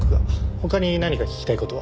他に何か聞きたい事は？